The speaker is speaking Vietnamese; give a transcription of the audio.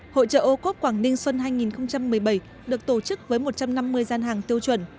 hội trợ ô cốp quảng ninh xuân hai nghìn một mươi bảy được tổ chức với một trăm năm mươi gian hàng tiêu chuẩn